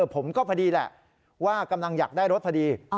พอดีแหละว่ากำลังอยากได้รถพอดี